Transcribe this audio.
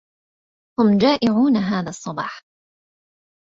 هُم جائعون هذا الصباح.